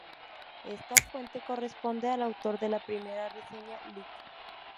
Esta fuente corresponde al autor de la Primera reseña, Lic.